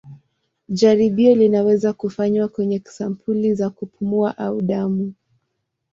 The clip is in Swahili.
Jaribio linaweza kufanywa kwenye sampuli za kupumua au damu.